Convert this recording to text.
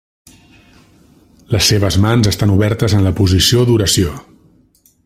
Les seves mans estan obertes en la posició d'oració.